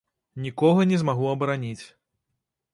Нікога не змагу абараніць.